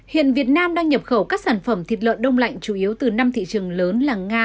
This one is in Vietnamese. hiện việt nam đang nhập khẩu các sản phẩm thịt lợn đông lạnh chủ yếu từ năm thị trường lớn là nga